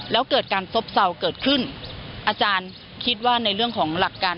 แล้วเกิดการซบเศร้าเกิดขึ้นอาจารย์คิดว่าในเรื่องของหลักการ